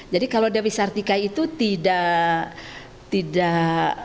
jadi kalau dewi sartika itu tidak hanya bergerak di dunia pemikiran